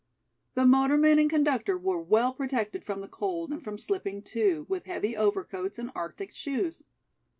The motorman and conductor were well protected from the cold and from slipping, too, with heavy overcoats and arctic shoes.